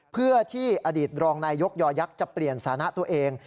เพื่อที่อดีตรองนายยกยอยักษ์จะเปลี่ยนสถานะตัวเอง